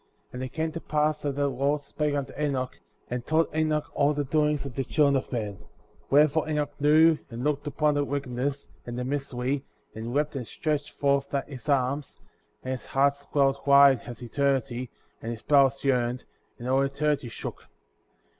*^ 41. And it came to pass that the Lord spake unto Enoch, and told Enoch all the doings of the children of men; wherefore Enoch knew, and looked upon their wickedness, and their misery, and wept and stretched forth his arms, and his heart swelled wide as eternity ; and his bowels yearned ; and all eternity shook.